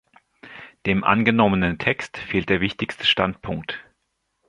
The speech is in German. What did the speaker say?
Dem angenommenen Text fehlt der wichtigste Standpunkt.